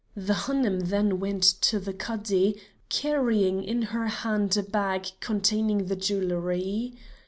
The Hanoum then went to the Cadi, carrying in her hand a bag containing the jewelry.